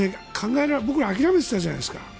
僕ら諦めていたじゃないですか。